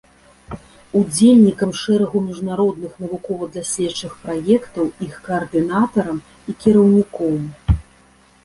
Удзельнікам шэрагу міжнародных навукова-даследчых праектаў, іх каардынатарам і кіраўніком.